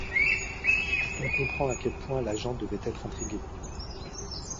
On comprend à quel point l’agent devait être intrigué.